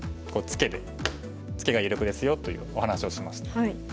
ツケが有力ですよというお話をしました。